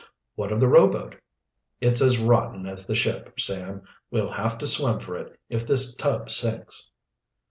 "What of the rowboat?" "It's as rotten as the ship, Sam. We'll have to swim for it, if this tub sinks."